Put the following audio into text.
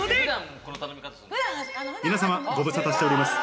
皆さま、ご無沙汰しております。